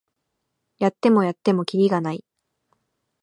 やってもやってもキリがない